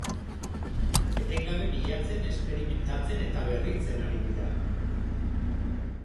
Etengabe bilatzen, esperimentatzen eta berritzen ari dira.